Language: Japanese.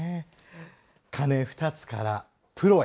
鐘２つからプロへ。